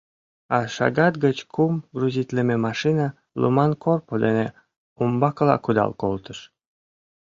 А шагат гыч кум грузитлыме машина луман корпо дене умбакыла кудал колтыш.